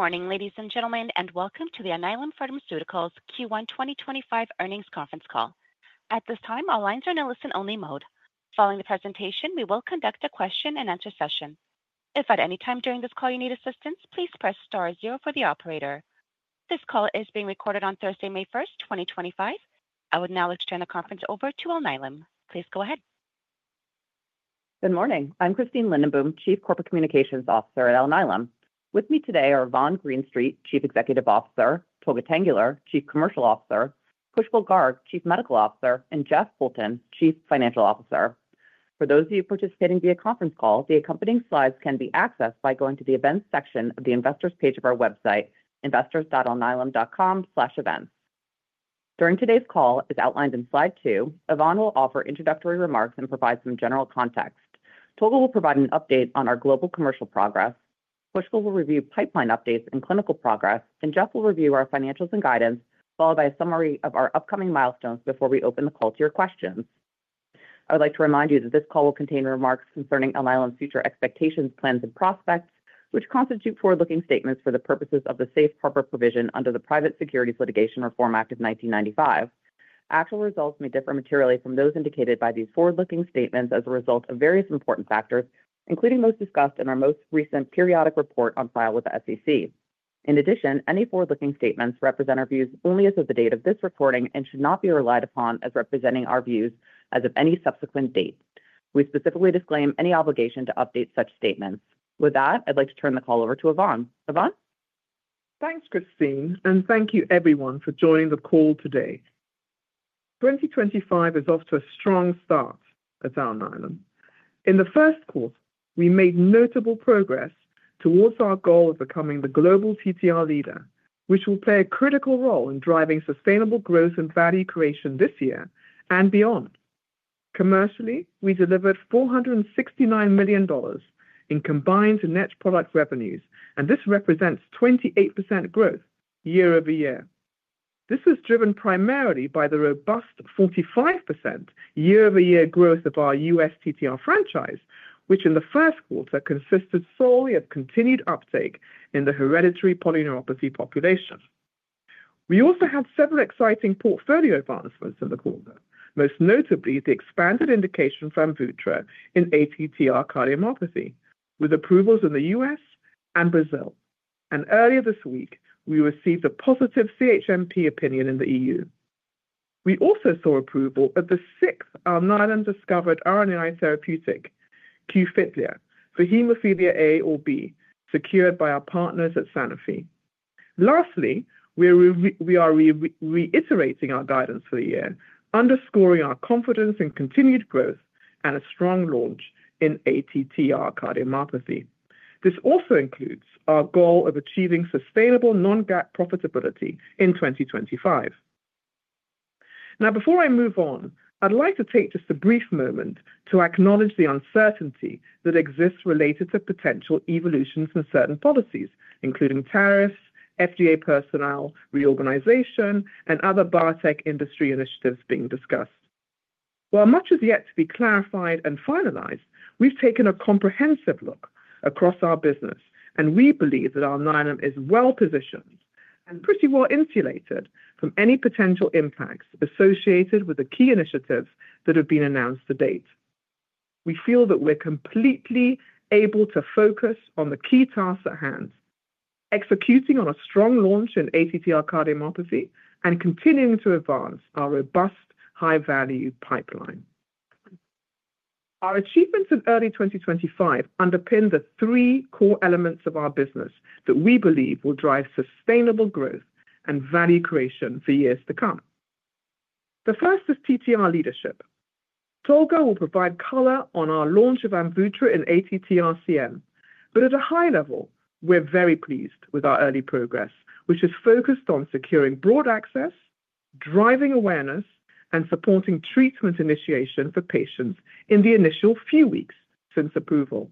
Good morning, ladies and gentlemen, and welcome to the Alnylam Pharmaceuticals Q1 2025 Earnings Conference Call. At this time, all lines are in a listen-only mode. Following the presentation, we will conduct a question-and-answer session. If at any time during this call you need assistance, please press star zero for the operator. This call is being recorded on Thursday, May 1st, 2025. I would now like to turn the conference over to Alnylam. Please go ahead. Good morning. I'm Christine Lindenboom, Chief Corporate Communications Officer at Alnylam. With me today are Yvonne Greenstreet, Chief Executive Officer; Tolga Tanguler, Chief Commercial Officer; Pushkal Garg, Chief Medical Officer; and Jeff Poulton, Chief Financial Officer. For those of you participating via conference call, the accompanying slides can be accessed by going to the events section of the investors' page of our website, investors.alnylam.com/events. During today's call, as outlined in slide two, Yvonne will offer introductory remarks and provide some general context. Tolga will provide an update on our global commercial progress. Pushkal will review pipeline updates and clinical progress, and Jeff will review our financials and guidance, followed by a summary of our upcoming milestones before we open the call to your questions. I would like to remind you that this call will contain remarks concerning Alnylam's future expectations, plans, and prospects, which constitute forward-looking statements for the purposes of the Safe Harbor Provision under the Private Securities Litigation Reform Act of 1995. Actual results may differ materially from those indicated by these forward-looking statements as a result of various important factors, including those discussed in our most recent periodic report on file with SEC. In addition, any forward-looking statements represent our views only as of the date of this recording and should not be relied upon as representing our views as of any subsequent date. We specifically disclaim any obligation to update such statements. With that, I'd like to turn the call over to Yvonne. Yvonne? Thanks, Christine, and thank you, everyone, for joining the call today. 2025 is off to a strong start at Alnylam. In the first quarter, we made notable progress towards our goal of becoming the global TTR leader, which will play a critical role in driving sustainable growth and value creation this year and beyond. Commercially, we delivered $469 million in combined net product revenues, and this represents 28% growth year-over-year. This was driven primarily by the robust 45% year-over-year growth of our U.S. TTR franchise, which in the first quarter consisted solely of continued uptake in the hereditary polyneuropathy population. We also had several exciting portfolio advancements in the quarter, most notably the expanded indication from Amvuttra in ATTR cardiomyopathy, with approvals in the U.S. and Brazil. Earlier this week, we received a positive CHMP opinion in the E.U. We also saw approval of the sixth Alnylam discovered RNAi therapeutic, Fitusiran, for hemophilia A or B, secured by our partners at Sanofi. Lastly, we are reiterating our guidance for the year, underscoring our confidence in continued growth and a strong launch in ATTR cardiomyopathy. This also includes our goal of achieving sustainable non-GAAP profitability in 2025. Now, before I move on, I'd like to take just a brief moment to acknowledge the uncertainty that exists related to potential evolutions in certain policies, including tariffs, FDA personnel, reorganization, and other biotech industry initiatives being discussed. While much is yet to be clarified and finalized, we've taken a comprehensive look across our business, and we believe that Alnylam is well positioned and pretty well insulated from any potential impacts associated with the key initiatives that have been announced to date. We feel that we're completely able to focus on the key tasks at hand, executing on a strong launch in ATTR cardiomyopathy and continuing to advance our robust high-value pipeline. Our achievements in early 2025 underpin the three core elements of our business that we believe will drive sustainable growth and value creation for years to come. The first is TTR leadership. Tolga will provide color on our launch of Amvuttra in ATTR-CM, but at a high level, we're very pleased with our early progress, which is focused on securing broad access, driving awareness, and supporting treatment initiation for patients in the initial few weeks since approval.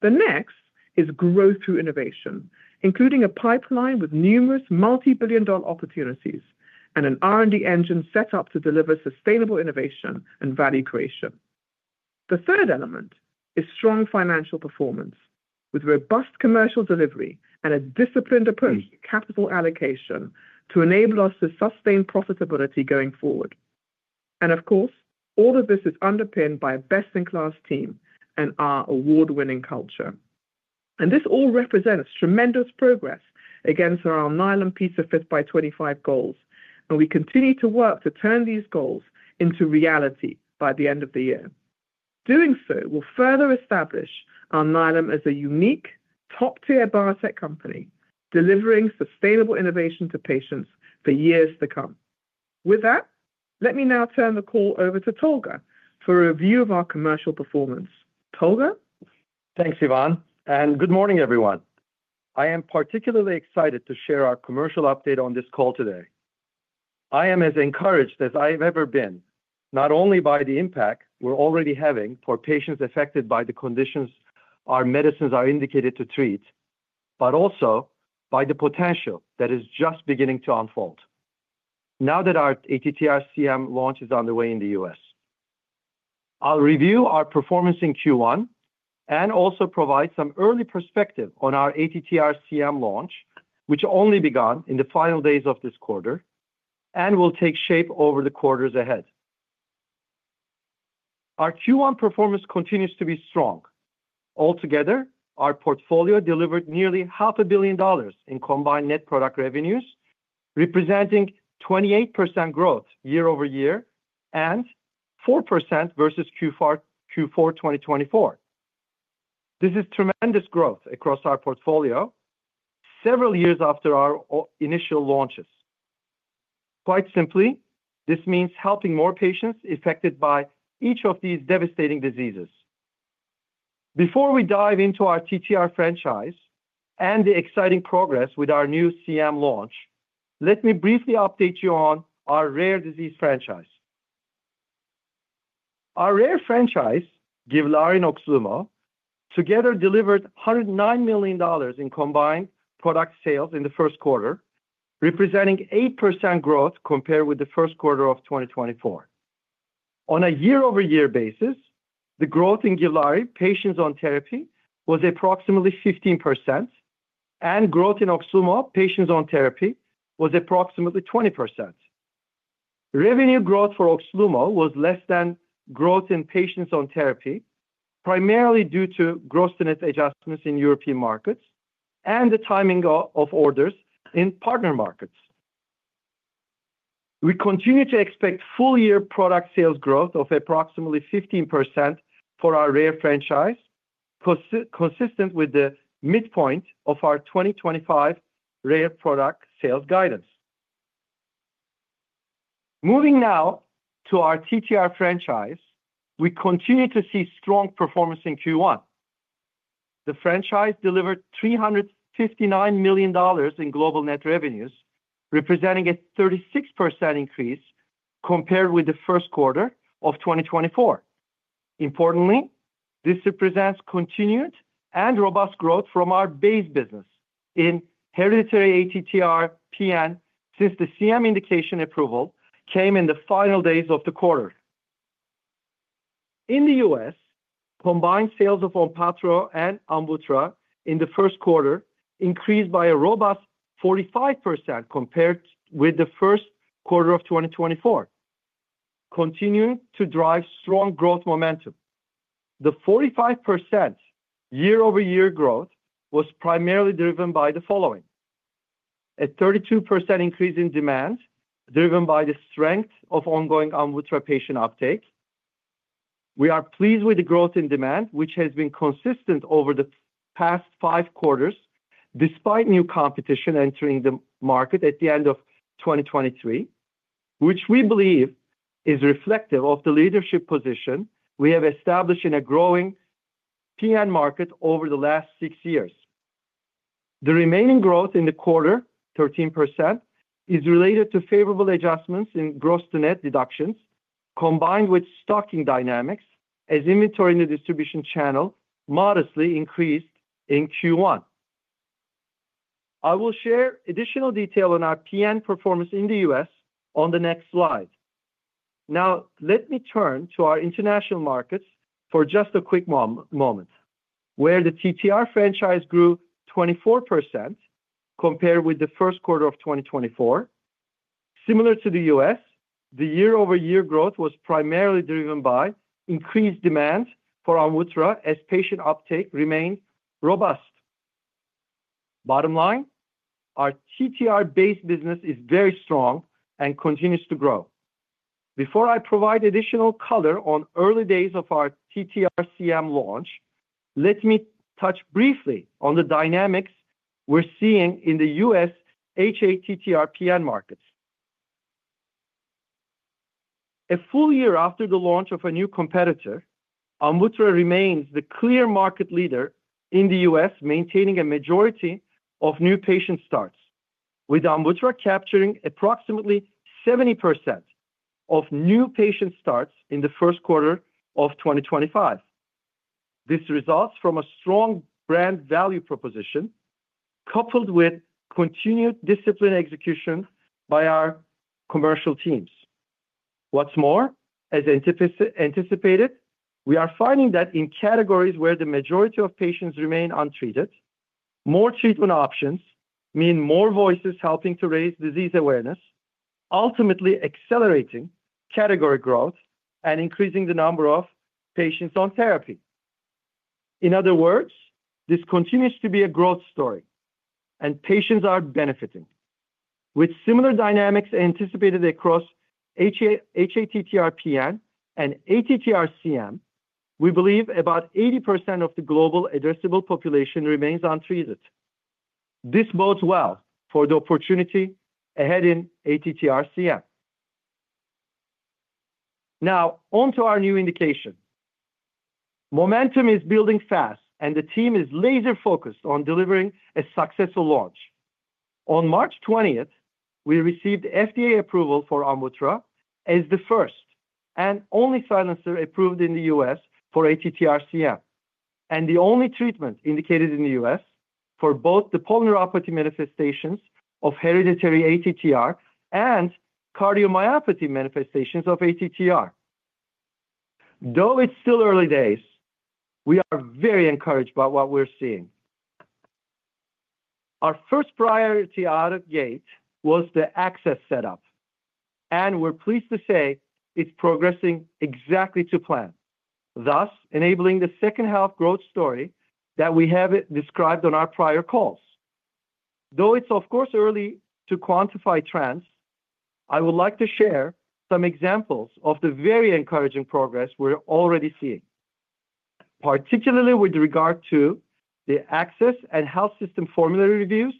The next is growth through innovation, including a pipeline with numerous multi-billion dollar opportunities and an R&D engine set up to deliver sustainable innovation and value creation. The third element is strong financial performance, with robust commercial delivery and a disciplined approach to capital allocation to enable us to sustain profitability going forward. Of course, all of this is underpinned by a best-in-class team and our award-winning culture. This all represents tremendous progress against our Alnylam P5x25 goals, and we continue to work to turn these goals into reality by the end of the year. Doing so will further establish Alnylam as a unique top-tier biotech company delivering sustainable innovation to patients for years to come. With that, let me now turn the call over to Tolga for a review of our commercial performance. Tolga. Thanks, Yvonne, and good morning, everyone. I am particularly excited to share our commercial update on this call today. I am as encouraged as I have ever been, not only by the impact we're already having for patients affected by the conditions our medicines are indicated to treat, but also by the potential that is just beginning to unfold now that our ATTR-CM launch is underway in the U.S. I'll review our performance in Q1 and also provide some early perspective on our ATTR-CM launch, which only began in the final days of this quarter and will take shape over the quarters ahead. Our Q1 performance continues to be strong. Altogether, our portfolio delivered nearly $500 million in combined net product revenues, representing 28% growth year-over-year and 4% versus Q4 2024. This is tremendous growth across our portfolio, several years after our initial launches. Quite simply, this means helping more patients affected by each of these devastating diseases. Before we dive into our TTR franchise and the exciting progress with our new CM launch, let me briefly update you on our rare disease franchise. Our rare franchise, GIVLAARI and OXLUMO, together delivered $109 million in combined product sales in the first quarter, representing 8% growth compared with the first quarter of 2024. On a year-over-year basis, the growth in GIVLAARI, patients on therapy, was approximately 15%, and growth in OXLUMO, patients on therapy, was approximately 20%. Revenue growth for OXLUMO was less than growth in patients on therapy, primarily due to gross net adjustments in European markets and the timing of orders in partner markets. We continue to expect full-year product sales growth of approximately 15% for our rare franchise, consistent with the midpoint of our 2025 rare product sales guidance. Moving now to our TTR franchise, we continue to see strong performance in Q1. The franchise delivered $359 million in global net revenues, representing a 36% increase compared with the first quarter of 2024. Importantly, this represents continued and robust growth from our base business in hereditary ATTR-PN since the CM indication approval came in the final days of the quarter. In the U.S., combined sales of Onpattro and Amvuttra in the first quarter increased by a robust 45% compared with the first quarter of 2024, continuing to drive strong growth momentum. The 45% year-over-year growth was primarily driven by the following: a 32% increase in demand driven by the strength of ongoing Amvuttra patient uptake. We are pleased with the growth in demand, which has been consistent over the past five quarters despite new competition entering the market at the end of 2023, which we believe is reflective of the leadership position we have established in a growing PN market over the last six years. The remaining growth in the quarter, 13%, is related to favorable adjustments in gross-to-net deductions, combined with stocking dynamics as inventory in the distribution channel modestly increased in Q1. I will share additional detail on our PN performance in the U.S. on the next slide. Now, let me turn to our international markets for just a quick moment, where the TTR franchise grew 24% compared with the first quarter of 2024. Similar to the U.S., the year-over-year growth was primarily driven by increased demand for Amvuttra as patient uptake remained robust. Bottom line, our TTR-based business is very strong and continues to grow. Before I provide additional color on early days of our TTR-CM launch, let me touch briefly on the dynamics we're seeing in the U.S. hATTR-PN markets. A full year after the launch of a new competitor, Amvuttra remains the clear market leader in the U.S., maintaining a majority of new patient starts, with Amvuttra capturing approximately 70% of new patient starts in the first quarter of 2025. This results from a strong brand value proposition coupled with continued disciplined execution by our commercial teams. What's more, as anticipated, we are finding that in categories where the majority of patients remain untreated, more treatment options mean more voices helping to raise disease awareness, ultimately accelerating category growth and increasing the number of patients on therapy. In other words, this continues to be a growth story, and patients are benefiting. With similar dynamics anticipated across hATTR-PN and ATTR-CM, we believe about 80% of the global addressable population remains untreated. This bodes well for the opportunity ahead in ATTR-CM. Now, on to our new indication. Momentum is building fast, and the team is laser-focused on delivering a successful launch. On March 20th, we received FDA approval for Amvuttra as the first and only silencer approved in the U.S. for ATTR-CM and the only treatment indicated in the U.S. for both the polyneuropathy manifestations of hereditary ATTR and cardiomyopathy manifestations of ATTR. Though it's still early days, we are very encouraged by what we're seeing. Our first priority out of the gate was the access setup, and we're pleased to say it's progressing exactly to plan, thus enabling the second health growth story that we have described on our prior calls. Though it's, of course, early to quantify trends, I would like to share some examples of the very encouraging progress we're already seeing, particularly with regard to the access and health system formulary reviews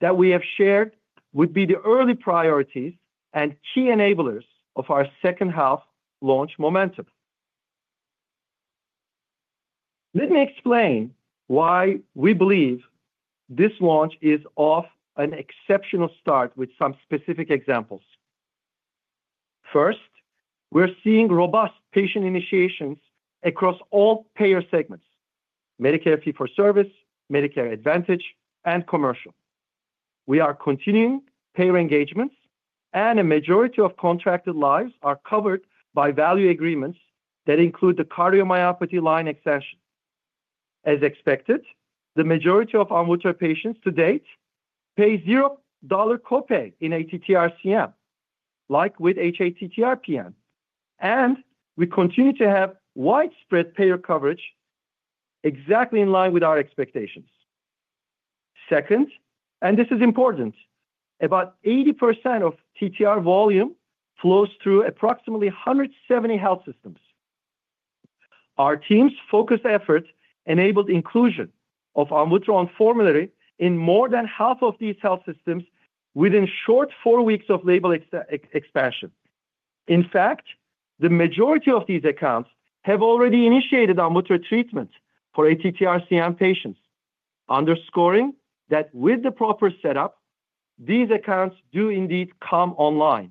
that we have shared would be the early priorities and key enablers of our second health launch momentum. Let me explain why we believe this launch is off to an exceptional start with some specific examples. First, we're seeing robust patient initiations across all payer segments: Medicare fee-for-service, Medicare Advantage, and commercial. We are continuing payer engagements, and a majority of contracted lives are covered by value agreements that include the cardiomyopathy line extension. As expected, the majority of Amvuttra patients to date pay $0 copay in ATTR-CM, like with hATTR-PN, and we continue to have widespread payer coverage exactly in line with our expectations. Second, and this is important, about 80% of TTR volume flows through approximately 170 health systems. Our team's focused effort enabled inclusion of Amvuttra on formulary in more than half of these health systems within a short four weeks of label expansion. In fact, the majority of these accounts have already initiated Amvuttra treatment for ATTR-CM patients, underscoring that with the proper setup, these accounts do indeed come online.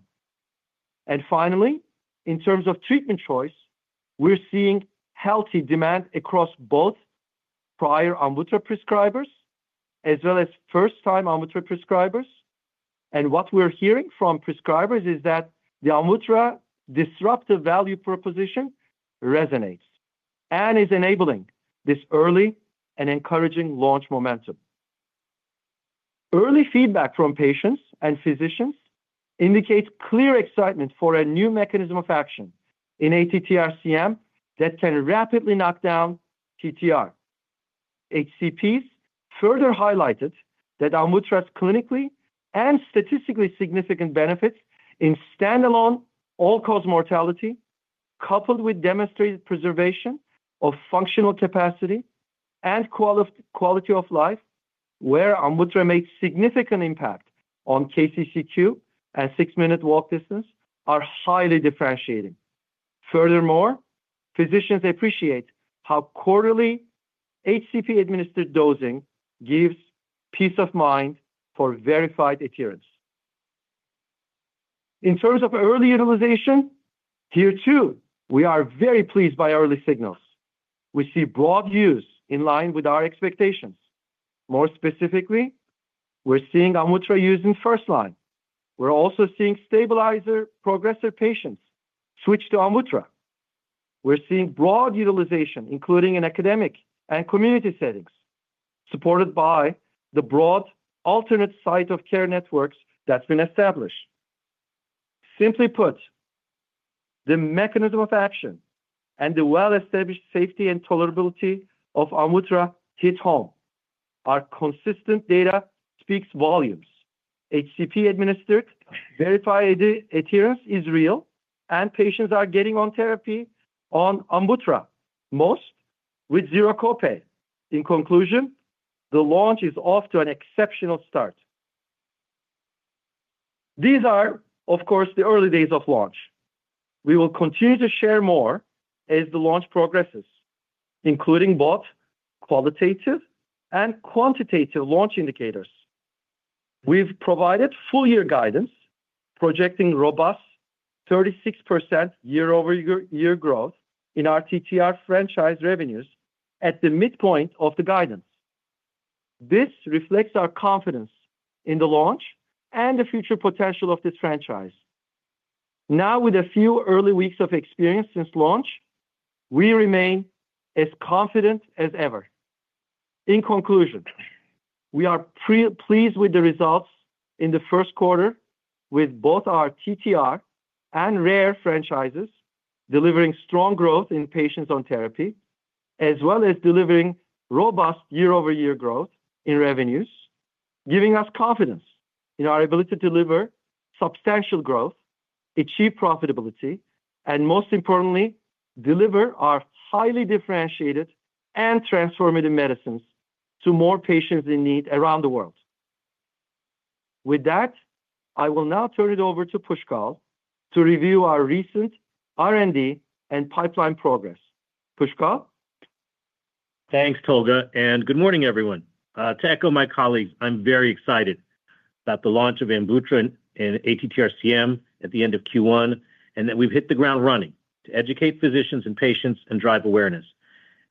Finally, in terms of treatment choice, we're seeing healthy demand across both prior Amvuttra prescribers as well as first-time Amvuttra prescribers. What we're hearing from prescribers is that the Amvuttra disruptive value proposition resonates and is enabling this early and encouraging launch momentum. Early feedback from patients and physicians indicates clear excitement for a new mechanism of action in ATTR-CM that can rapidly knock down TTR. HCPs further highlighted that Amvuttra's clinically and statistically significant benefits in standalone all-cause mortality, coupled with demonstrated preservation of functional capacity and quality of life, where Amvuttra makes significant impact on KCCQ and six-minute walk distance, are highly differentiating. Furthermore, physicians appreciate how quarterly HCP-administered dosing gives peace of mind for verified adherence. In terms of early utilization, here too, we are very pleased by early signals. We see broad use in line with our expectations. More specifically, we're seeing Amvuttra used in first line. We're also seeing stabilizer progressive patients switch to Amvuttra. We're seeing broad utilization, including in academic and community settings, supported by the broad alternate site of care networks that's been established. Simply put, the mechanism of action and the well-established safety and tolerability of Amvuttra hit home. Our consistent data speaks volumes. HCP-administered verified adherence is real, and patients are getting on therapy on Amvuttra, most with zero copay. In conclusion, the launch is off to an exceptional start. These are, of course, the early days of launch. We will continue to share more as the launch progresses, including both qualitative and quantitative launch indicators. We've provided full-year guidance, projecting robust 36% year-over-year growth in our TTR franchise revenues at the midpoint of the guidance. This reflects our confidence in the launch and the future potential of this franchise. Now, with a few early weeks of experience since launch, we remain as confident as ever. In conclusion, we are pleased with the results in the first quarter with both our TTR and rare franchises delivering strong growth in patients on therapy, as well as delivering robust year-over-year growth in revenues, giving us confidence in our ability to deliver substantial growth, achieve profitability, and most importantly, deliver our highly differentiated and transformative medicines to more patients in need around the world. With that, I will now turn it over to Pushkal to review our recent R&D and pipeline progress. Pushkal. Thanks, Tolga, and good morning, everyone. To echo my colleagues, I'm very excited about the launch of Amvuttra and ATTR-CM at the end of Q1 and that we've hit the ground running to educate physicians and patients and drive awareness.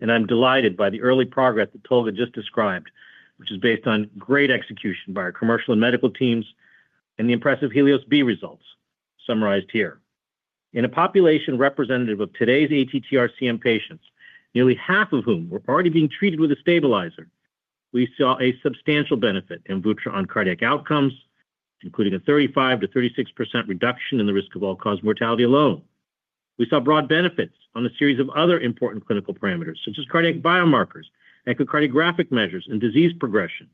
I'm delighted by the early progress that Tolga just described, which is based on great execution by our commercial and medical teams and the impressive Helios-B results summarized here. In a population representative of today's ATTR-CM patients, nearly half of whom were already being treated with a stabilizer, we saw a substantial benefit in Amvuttra on cardiac outcomes, including a 35%-36% reduction in the risk of all-cause mortality alone. We saw broad benefits on a series of other important clinical parameters, such as cardiac biomarkers, echocardiographic measures, and disease progression.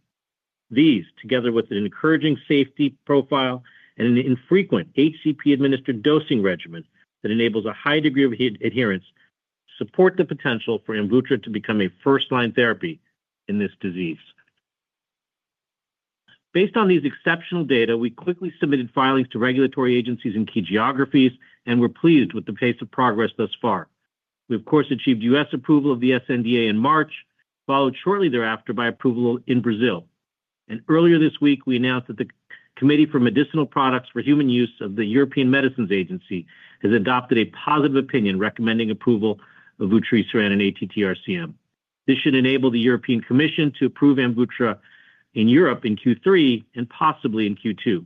These, together with an encouraging safety profile and an infrequent HCP-administered dosing regimen that enables a high degree of adherence, support the potential for Amvuttra to become a first-line therapy in this disease. Based on these exceptional data, we quickly submitted filings to regulatory agencies and key geographies, and we're pleased with the pace of progress thus far. We, of course, achieved U.S. approval of the SNDA in March, followed shortly thereafter by approval in Brazil. Earlier this week, we announced that the Committee for Medicinal Products for Human Use of the European Medicines Agency has adopted a positive opinion recommending approval of Amvuttra in ATTR-CM. This should enable the European Commission to approve Amvuttra in Europe in Q3 and possibly in Q2.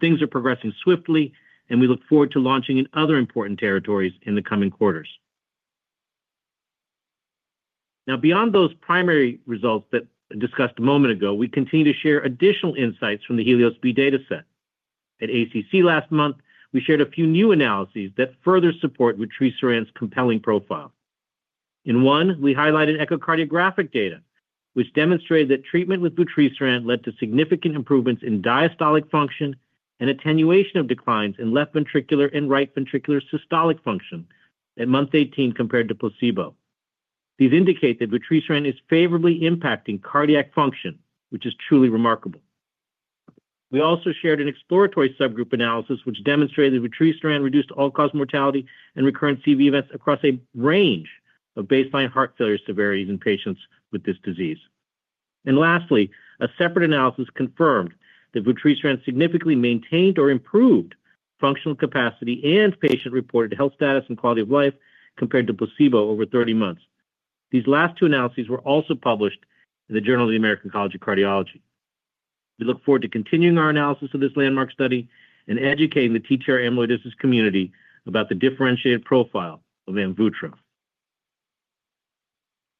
Things are progressing swiftly, and we look forward to launching in other important territories in the coming quarters. Now, beyond those primary results that I discussed a moment ago, we continue to share additional insights from the Helios-B data set. At ACC last month, we shared a few new analyses that further support vutrisiran's compelling profile. In one, we highlighted echocardiographic data, which demonstrated that treatment with vutrisiran led to significant improvements in diastolic function and attenuation of declines in left ventricular and right ventricular systolic function at month 18 compared to placebo. These indicate that vutrisiran is favorably impacting cardiac function, which is truly remarkable. We also shared an exploratory subgroup analysis, which demonstrated that vutrisiran reduced all-cause mortality and recurrent CV events across a range of baseline heart failure severities in patients with this disease. Lastly, a separate analysis confirmed that vutrisiran significantly maintained or improved functional capacity and patient-reported health status and quality of life compared to placebo over 30 months. These last two analyses were also published in the Journal of the American College of Cardiology. We look forward to continuing our analysis of this landmark study and educating the TTR amyloidosis community about the differentiated profile of Amvuttra.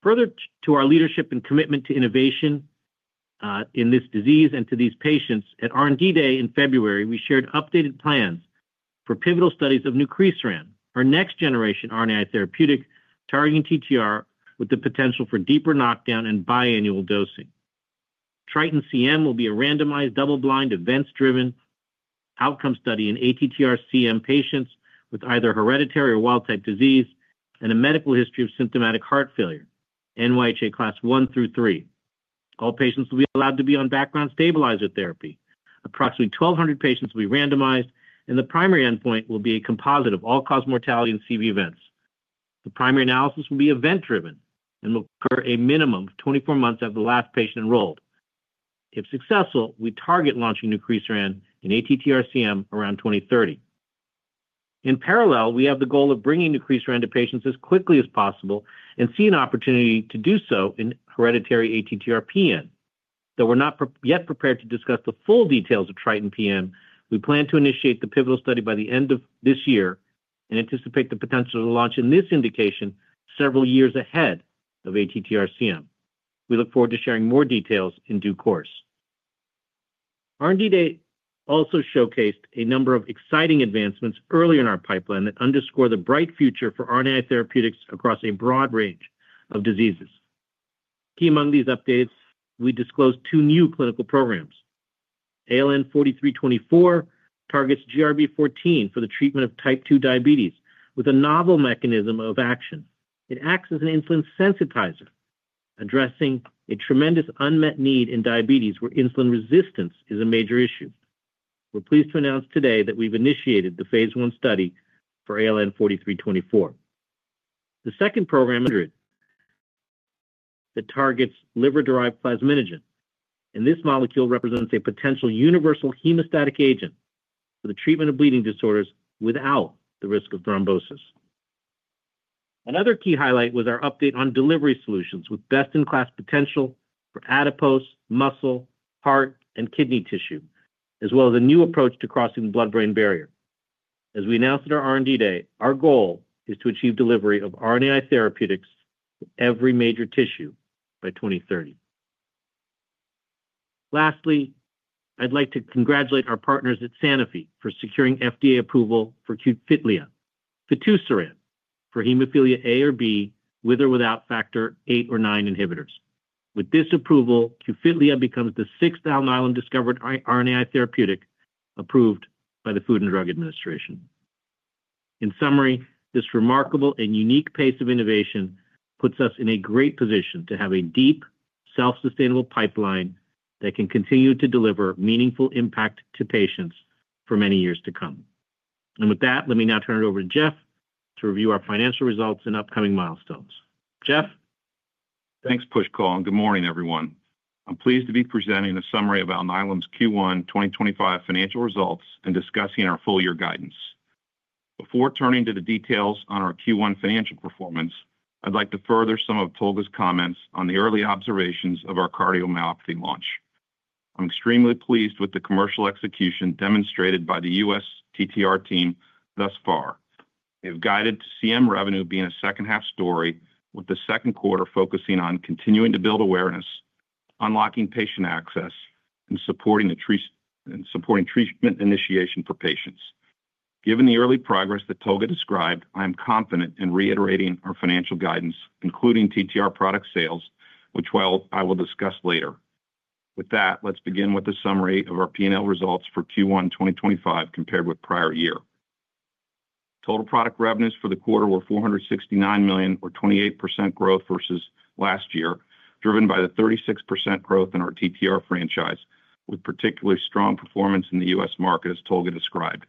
Further to our leadership and commitment to innovation in this disease and to these patients, at R&D Day in February, we shared updated plans for pivotal studies of zilebesiran, our next-generation RNAi therapeutic targeting TTR with the potential for deeper knockdown and biannual dosing. Triton-CM will be a randomized double-blind events-driven outcome study in ATTR-CM patients with either hereditary or wild-type disease and a medical history of symptomatic heart failure, NYHA Class I to III. All patients will be allowed to be on background stabilizer therapy. Approximately 1,200 patients will be randomized, and the primary endpoint will be a composite of all-cause mortality and CV events. The primary analysis will be event-driven and will occur a minimum of 24 months after the last patient enrolled. If successful, we target launching zilebesiran in ATTR-CM around 2030. In parallel, we have the goal of bringing zilebesiran to patients as quickly as possible and see an opportunity to do so in hereditary ATTR-PN. Though we're not yet prepared to discuss the full details of Triton-PN, we plan to initiate the pivotal study by the end of this year and anticipate the potential to launch in this indication several years ahead of ATTR-CM. We look forward to sharing more details in due course. R&D Day also showcased a number of exciting advancements early in our pipeline that underscore the bright future for RNAi therapeutics across a broad range of diseases. Key among these updates, we disclosed two new clinical programs. ALN-4324 targets GRB14 for the treatment of type 2 diabetes with a novel mechanism of action. It acts as an insulin sensitizer, addressing a tremendous unmet need in diabetes where insulin resistance is a major issue. We're pleased to announce today that we've initiated the phase I study for ALN-4324. The second program targets liver-derived plasminogen. And this molecule represents a potential universal hemostatic agent for the treatment of bleeding disorders without the risk of thrombosis. Another key highlight was our update on delivery solutions with best-in-class potential for adipose, muscle, heart, and kidney tissue, as well as a new approach to crossing the blood-brain barrier. As we announced at our R&D Day, our goal is to achieve delivery of RNAi therapeutics to every major tissue by 2030. Lastly, I'd like to congratulate our partners at Sanofi for securing FDA approval for fitusiran for hemophilia A or B with or without factor VIII or IX inhibitors. With this approval, Qfitliah becomes the sixth Alnylam discovered RNAi therapeutic approved by the Food and Drug Administration. In summary, this remarkable and unique pace of innovation puts us in a great position to have a deep, self-sustainable pipeline that can continue to deliver meaningful impact to patients for many years to come. Let me now turn it over to Jeff to review our financial results and upcoming milestones. Jeff. Thanks, Pushkal. Good morning, everyone. I'm pleased to be presenting a summary of Alnylam's Q1 2025 financial results and discussing our full-year guidance. Before turning to the details on our Q1 financial performance, I'd like to further some of Tolga's comments on the early observations of our cardiomyopathy launch. I'm extremely pleased with the commercial execution demonstrated by the U.S. TTR team thus far. We have guided CM revenue being a second-half story, with the second quarter focusing on continuing to build awareness, unlocking patient access, and supporting treatment initiation for patients. Given the early progress that Tolga described, I am confident in reiterating our financial guidance, including TTR product sales, which I will discuss later. With that, let's begin with a summary of our P&L results for Q1 2025 compared with prior year. Total product revenues for the quarter were $469 million, or 28% growth versus last year, driven by the 36% growth in our TTR franchise, with particularly strong performance in the U.S. market, as Tolga described.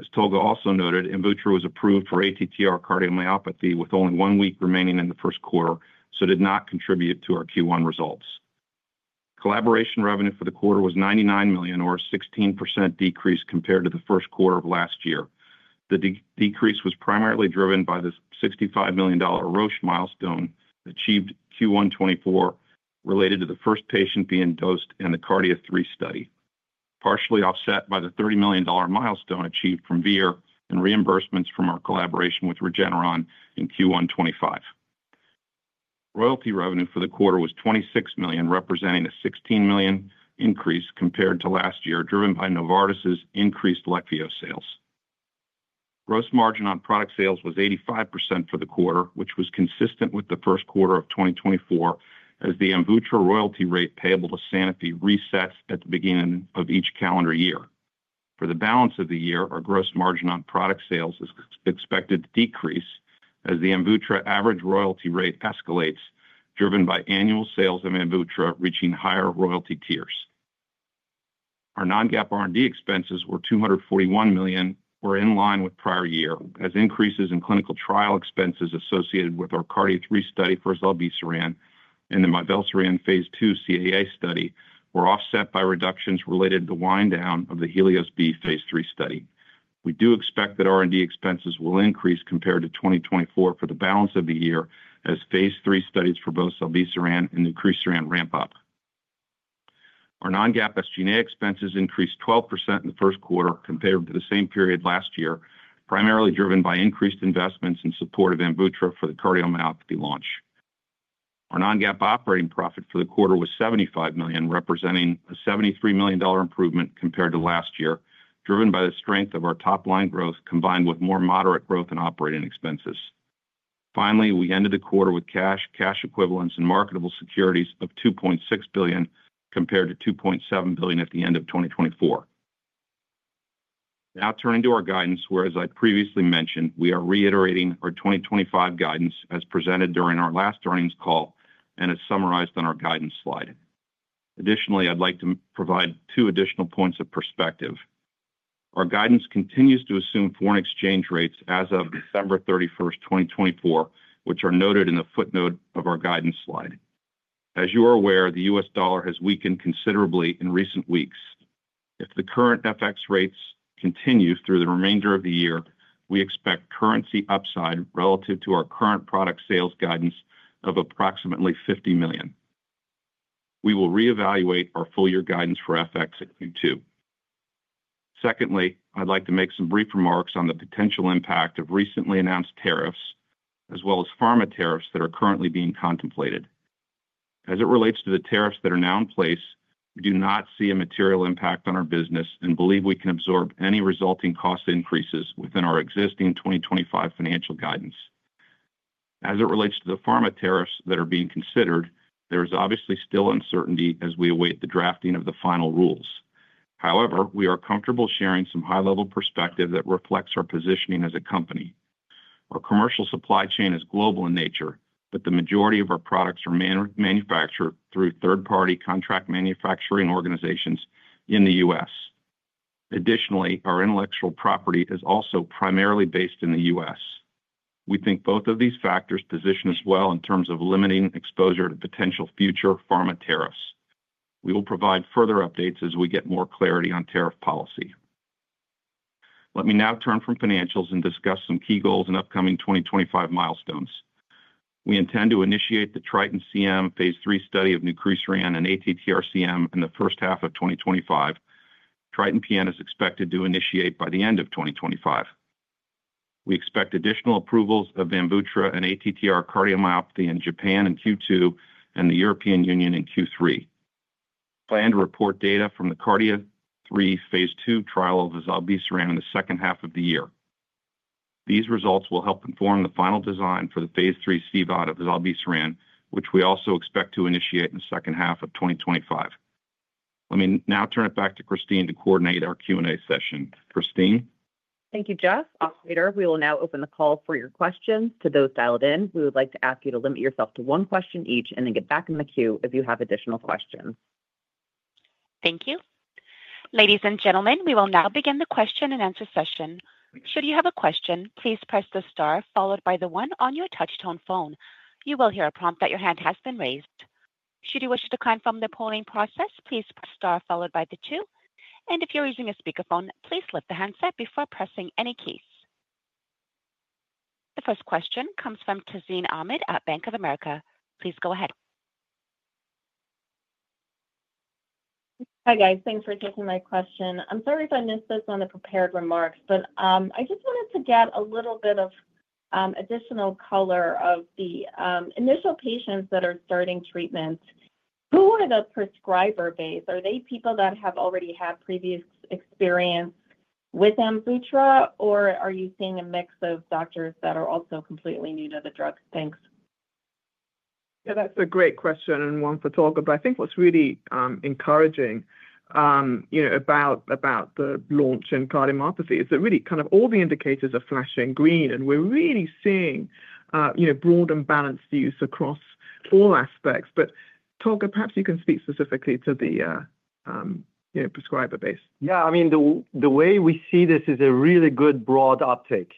As Tolga also noted, Amvuttra was approved for ATTR cardiomyopathy with only one week remaining in the first quarter, so it did not contribute to our Q1 results. Collaboration revenue for the quarter was $99 million, or a 16% decrease compared to the first quarter of last year. The decrease was primarily driven by the $65 million Roche milestone achieved in Q1 2024, related to the first patient being dosed in the CARDIA III study, partially offset by the $30 million milestone achieved from VIIR and reimbursements from our collaboration with Regeneron in Q1 2025. Royalty revenue for the quarter was $26 million, representing a $16 million increase compared to last year, driven by Novartis's increased Leqvio sales. Gross margin on product sales was 85% for the quarter, which was consistent with the first quarter of 2024, as the Amvuttra royalty rate payable to Sanofi resets at the beginning of each calendar year. For the balance of the year, our gross margin on product sales is expected to decrease as the Amvuttra average royalty rate escalates, driven by annual sales of Amvuttra reaching higher royalty tiers. Our non-GAAP R&D expenses were $241 million, or in line with prior year, as increases in clinical trial expenses associated with our CARDIA III study for Zolbesiran, and the mivelsiran phase II CAA study were offset by reductions related to the wind-down of the Helios-B phase III study. We do expect that R&D expenses will increase compared to 2024 for the balance of the year, as phase III studies for bothzilebesiran and mivelsiran ramp up. Our non-GAAP SG&A expenses increased 12% in the first quarter compared to the same period last year, primarily driven by increased investments in support of Amvuttra for the cardiomyopathy launch. Our non-GAAP operating profit for the quarter was $75 million, representing a $73 million improvement compared to last year, driven by the strength of our top-line growth combined with more moderate growth in operating expenses. Finally, we ended the quarter with cash, cash equivalents, and marketable securities of $2.6 billion compared to $2.7 billion at the end of 2024. Now, turning to our guidance, where, as I previously mentioned, we are reiterating our 2025 guidance as presented during our last earnings call and as summarized on our guidance slide. Additionally, I'd like to provide two additional points of perspective. Our guidance continues to assume foreign exchange rates as of December 31st, 2024, which are noted in the footnote of our guidance slide. As you are aware, the US dollar has weakened considerably in recent weeks. If the current FX rates continue through the remainder of the year, we expect currency upside relative to our current product sales guidance of approximately $50 million. We will reevaluate our full-year guidance for FX in Q2. Secondly, I'd like to make some brief remarks on the potential impact of recently announced tariffs, as well as pharma tariffs that are currently being contemplated. As it relates to the tariffs that are now in place, we do not see a material impact on our business and believe we can absorb any resulting cost increases within our existing 2025 financial guidance. As it relates to the pharma tariffs that are being considered, there is obviously still uncertainty as we await the drafting of the final rules. However, we are comfortable sharing some high-level perspective that reflects our positioning as a company. Our commercial supply chain is global in nature, but the majority of our products are manufactured through third-party contract manufacturing organizations in the U.S. Additionally, our intellectual property is also primarily based in the U.S. We think both of these factors position us well in terms of limiting exposure to potential future pharma tariffs. We will provide further updates as we get more clarity on tariff policy. Let me now turn from financials and discuss some key goals and upcoming 2025 milestones. We intend to initiate the Triton-CM phase III study of zilebesiran in ATTR-CM in the first half of 2025. Triton-PN is expected to initiate by the end of 2025. We expect additional approvals of Amvuttra in ATTR cardiomyopathy in Japan in Q2 and the European Union in Q3. We plan to report data from the CARDIA III phase II trial of zilebesiran in the second half of the year. These results will help inform the final design for the phase III CVOD of zilebesiran, which we also expect to initiate in the second half of 2025. Let me now turn it back to Christine to coordinate our Q&A session. Christine. Thank you, Jeff. We will now open the call for your questions. To those dialed in, we would like to ask you to limit yourself to one question each and then get back in the queue if you have additional questions. Thank you. Ladies and gentlemen, we will now begin the question and answer session. Should you have a question, please press the star followed by the one on your touch-tone phone. You will hear a prompt that your hand has been raised. Should you wish to decline from the polling process, please press star followed by the two. If you're using a speakerphone, please lift the handset before pressing any keys. The first question comes from Tazeen Ahmad at Bank of America. Please go ahead. Hi, guys. Thanks for taking my question. I'm sorry if I missed this on the prepared remarks, but I just wanted to get a little bit of additional color of the initial patients that are starting treatment. Who are the prescriber base? Are they people that have already had previous experience with Amvuttra, or are you seeing a mix of doctors that are also completely new to the drug? Thanks. Yeah, that's a great question and one for Tolga. I think what's really encouraging about the launch in cardiomyopathy is that really kind of all the indicators are flashing green, and we're really seeing broad and balanced use across all aspects. Tolga, perhaps you can speak specifically to the prescriber base. Yeah, I mean, the way we see this is a really good broad uptake.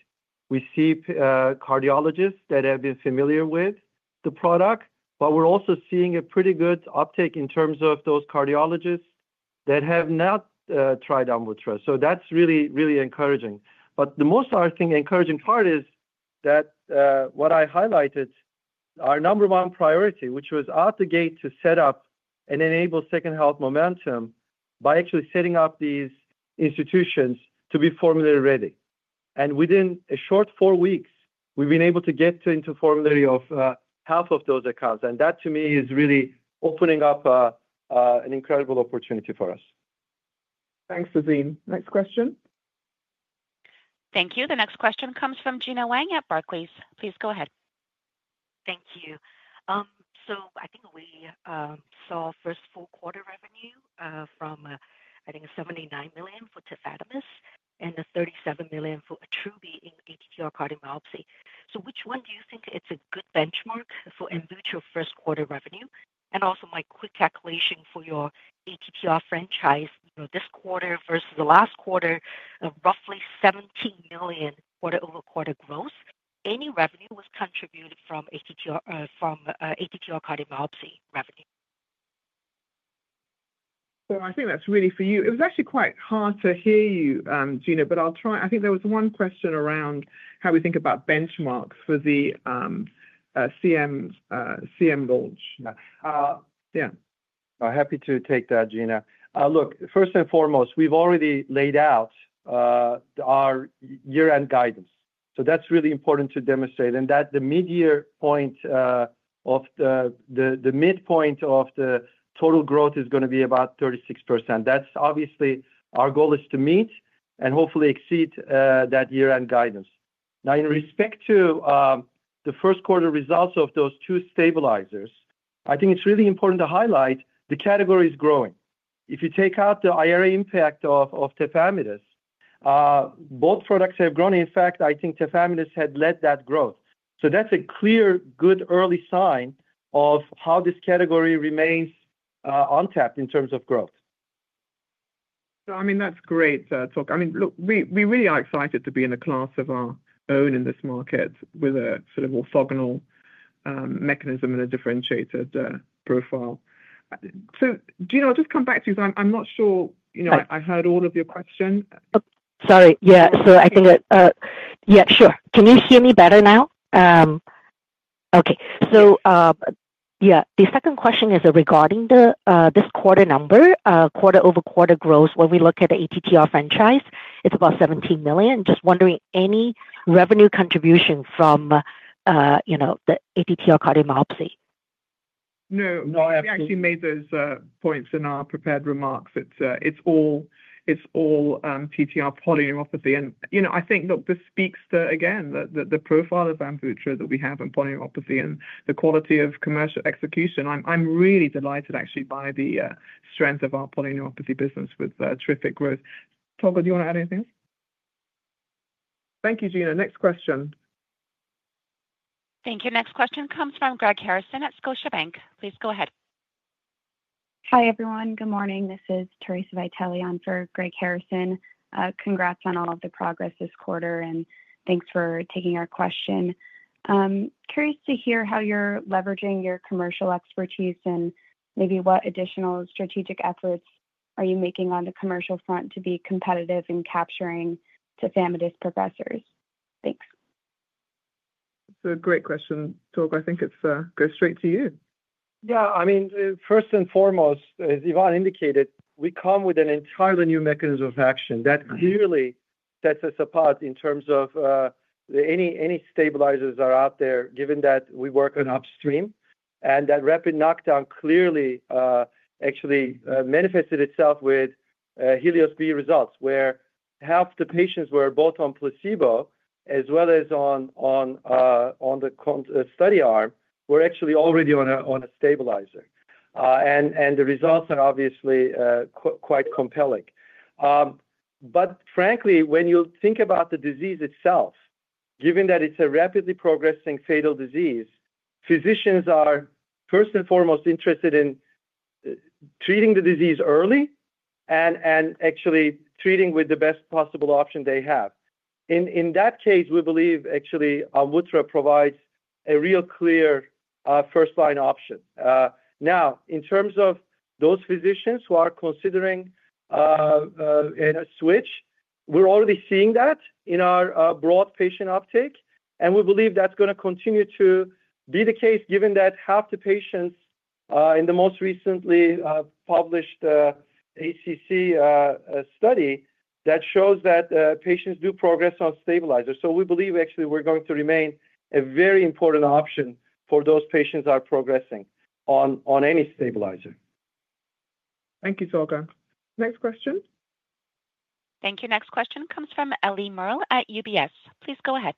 We see cardiologists that have been familiar with the product, but we're also seeing a pretty good uptake in terms of those cardiologists that have not tried Amvuttra. That's really, really encouraging. The most encouraging part is that what I highlighted, our number one priority, which was out the gate to set up and enable second health momentum by actually setting up these institutions to be formulary ready. Within a short four weeks, we've been able to get into formulary of half of those accounts. That, to me, is really opening up an incredible opportunity for us. Thanks, Tazeen. Next question. Thank you. The next question comes from Gena Wang at Barclays. Please go ahead. Thank you. I think we saw first full quarter revenue from, I think, $79 million for tafamidis and $37 million for Amvuttra in ATTR cardiomyopathy. Which one do you think is a good benchmark for Amvuttra first quarter revenue? Also, my quick calculation for your ATTR franchise this quarter versus the last quarter of roughly $17 million quarter-over-quarter growth. Any revenue was contributed from ATTR cardiomyopathy revenue. I think that's really for you. It was actually quite hard to hear you, Gena, but I'll try. I think there was one question around how we think about benchmarks for the CM launch. Yeah. Happy to take that, Gena. Look, first and foremost, we've already laid out our year-end guidance. That's really important to demonstrate. At the mid-year point, the midpoint of the total growth is going to be about 36%. Obviously, our goal is to meet and hopefully exceed that year-end guidance. Now, in respect to the first quarter results of those two stabilizers, I think it's really important to highlight the category is growing. If you take out the IRA impact of tafamidis, both products have grown. In fact, I think tafamidis had led that growth. That's a clear, good early sign of how this category remains untapped in terms of growth. I mean, that's great, Tolga. I mean, look, we really are excited to be in a class of our own in this market with a sort of orthogonal mechanism and a differentiated profile. Gena, I'll just come back to you because I'm not sure I heard all of your question. Sorry. Yeah. I think, yeah, sure. Can you hear me better now? Okay. Yeah, the second question is regarding this quarter number, quarter-over-quarter growth. When we look at the ATTR franchise, it's about $17 million. Just wondering, any revenue contribution from the ATTR cardiomyopathy? No. No. I actually made those points in our prepared remarks. It's all TTR polyneuropathy. I think, look, this speaks to, again, the profile of Amvuttra that we have in polyneuropathy and the quality of commercial execution. I'm really delighted, actually, by the strength of our polyneuropathy business with terrific growth. Tolga, do you want to add anything? Thank you, Gina. Next question. Thank you. Next question comes from Greg Harrison at Scotiabank. Please go ahead. Hi, everyone. Good morning. This is Theresa Vitale on for Greg Harrison. Congrats on all of the progress this quarter, and thanks for taking our question. Curious to hear how you're leveraging your commercial expertise and maybe what additional strategic efforts are you making on the commercial front to be competitive in capturing tafamidis progressors. Thanks. That's a great question, Tolga. I think it goes straight to you. Yeah. I mean, first and foremost, as Yvonne indicated, we come with an entirely new mechanism of action that clearly sets us apart in terms of any stabilizers that are out there, given that we work on upstream. That rapid knockdown clearly actually manifested itself with Helios-B results, where half the patients were both on placebo as well as on the study arm were actually already on a stabilizer. The results are obviously quite compelling. Frankly, when you think about the disease itself, given that it's a rapidly progressing fatal disease, physicians are first and foremost interested in treating the disease early and actually treating with the best possible option they have. In that case, we believe actually Amvuttra provides a real clear first-line option. Now, in terms of those physicians who are considering a switch, we're already seeing that in our broad patient uptake. We believe that's going to continue to be the case, given that half the patients in the most recently published ACC study shows that patients do progress on stabilizers. We believe actually we're going to remain a very important option for those patients that are progressing on any stabilizer. Thank you, Tolga. Next question. Thank you. Next question comes from Ellie Merle at UBS. Please go ahead.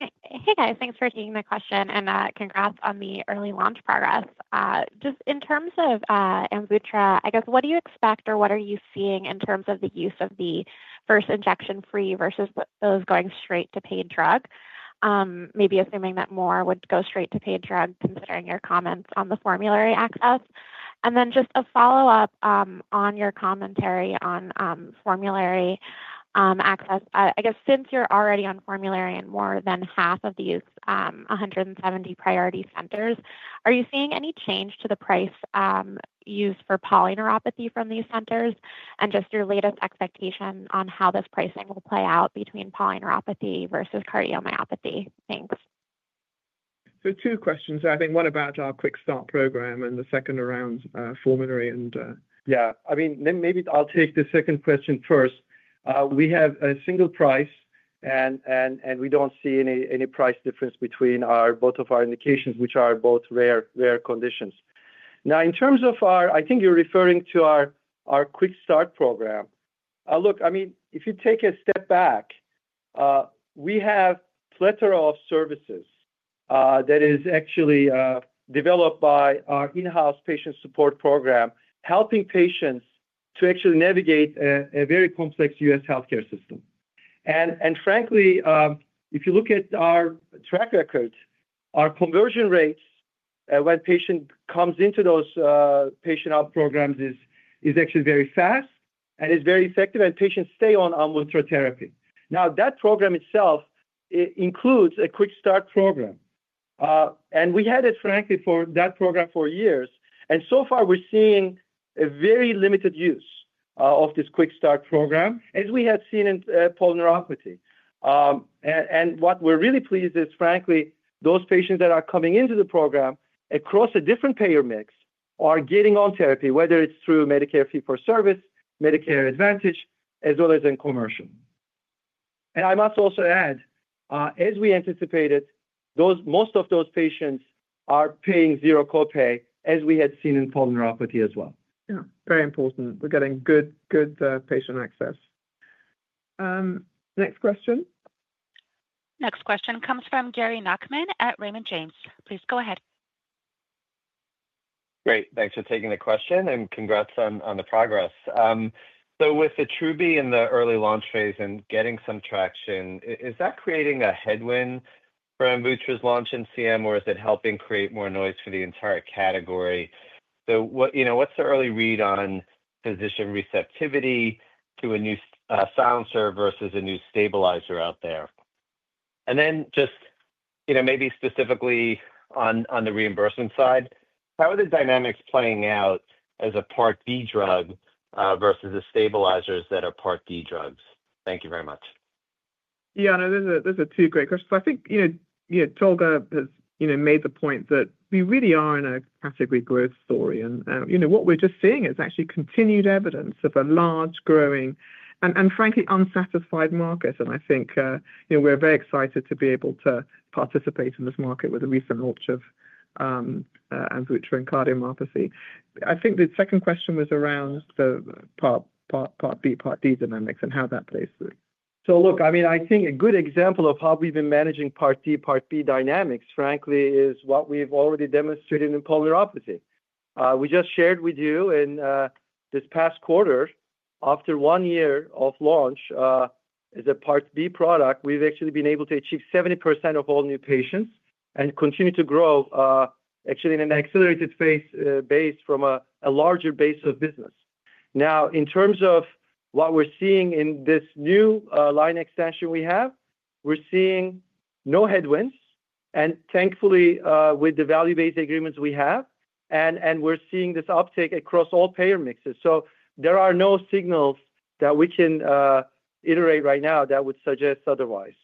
Hey, guys. Thanks for taking the question. Congrats on the early launch progress. Just in terms of Amvuttra, I guess, what do you expect or what are you seeing in terms of the use of the first injection-free versus those going straight to pain drug? Maybe assuming that more would go straight to pain drug, considering your comments on the formulary access. Just a follow-up on your commentary on formulary access. I guess since you're already on formulary in more than half of these 170 priority centers, are you seeing any change to the price used for polyneuropathy from these centers? Just your latest expectation on how this pricing will play out between polyneuropathy versus cardiomyopathy? Thanks. Two questions. I think one about our quick start program and the second around formulary. Yeah. I mean, maybe I'll take the second question first. We have a single price, and we do not see any price difference between both of our indications, which are both rare conditions. Now, in terms of our, I think you are referring to our quick start program. Look, I mean, if you take a step back, we have a plethora of services that is actually developed by our in-house patient support program, helping patients to actually navigate a very complex U.S. healthcare system. Frankly, if you look at our track record, our conversion rates when a patient comes into those patient-out programs is actually very fast and is very effective, and patients stay on Amvuttra therapy. That program itself includes a quick start program. We had it, frankly, for that program for years. So far, we are seeing a very limited use of this quick start program, as we had seen in polyneuropathy. What we're really pleased is, frankly, those patients that are coming into the program across a different payer mix are getting on therapy, whether it's through Medicare Fee-for-Service, Medicare Advantage, as well as in commercial. I must also add, as we anticipated, most of those patients are paying zero copay, as we had seen in polyneuropathy as well. Yeah. Very important. We're getting good patient access. Next question. Next question comes from Gary Nachman at Raymond James. Please go ahead. Great. Thanks for taking the question, and congrats on the progress. With tafamidis in the early launch phase and getting some traction, is that creating a headwind for Amvuttra's launch in CM, or is it helping create more noise for the entire category? What's the early read on physician receptivity to a new silencer versus a new stabilizer out there? Just maybe specifically on the reimbursement side, how are the dynamics playing out as a Part B drug versus the stabilizers that are Part D drugs? Thank you very much. Yeah. No, those are two great questions. I think Tolga has made the point that we really are in a category growth story. What we're just seeing is actually continued evidence of a large, growing, and frankly unsatisfied market. I think we're very excited to be able to participate in this market with the recent launch of Amvuttra in cardiomyopathy. I think the second question was around the Part B, Part D dynamics and how that plays through. I mean, I think a good example of how we've been managing Part D, Part B dynamics, frankly, is what we've already demonstrated in polyneuropathy. We just shared with you in this past quarter, after one year of launch as a Part B product, we've actually been able to achieve 70% of all new patients and continue to grow actually in an accelerated phase based from a larger base of business. Now, in terms of what we're seeing in this new line extension we have, we're seeing no headwinds. Thankfully, with the value-based agreements we have, and we're seeing this uptake across all payer mixes. There are no signals that we can iterate right now that would suggest otherwise.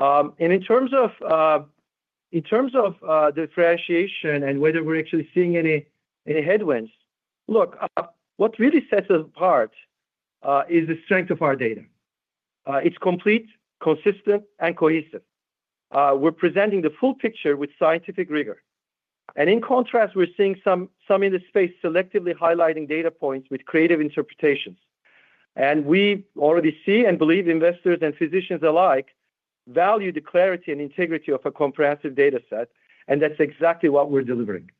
In terms of differentiation and whether we're actually seeing any headwinds, look, what really sets us apart is the strength of our data. It's complete, consistent, and cohesive. We're presenting the full picture with scientific rigor. In contrast, we're seeing some in the space selectively highlighting data points with creative interpretations. We already see and believe investors and physicians alike value the clarity and integrity of a comprehensive data set. That is exactly what we are delivering.